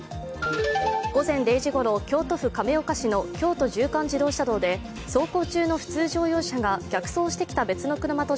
午前０時ごろ、京都府亀岡市の京都縦貫自動車道で走行中の普通乗用車が逆走してきた別の車と